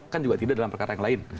kan juga tidak dalam perkara yang lain